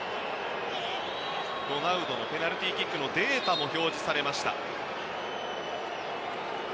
ロナウドのペナルティーキックのデータも表示されました。